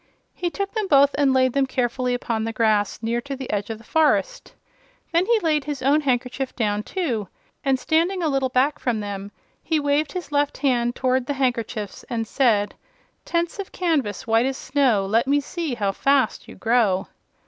He took them both and laid them carefully upon the grass near to the edge of the forest. Then he laid his own handkerchief down, too, and standing a little back from them he waved his left hand toward the handkerchiefs and said: "Tents of canvas, white as snow, Let me see how fast you grow!"